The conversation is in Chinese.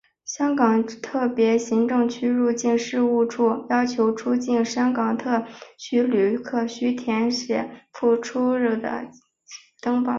香港特别行政区入境事务处要求入出境香港特区旅客须填具复写式入出境登记表。